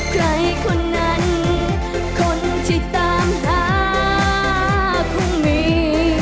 ใครคนนั้นคนที่ตามหาคงมี